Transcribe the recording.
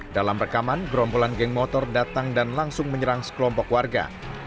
dalam rekaman gerombolan geng motor datang dan langsung menyerang sekelompok warga